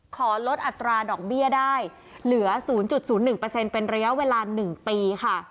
ขอลดอัตราดอกเบี้ยได้เหลือ๐๐๑เป็นระยะเวลา๑ปีค่ะ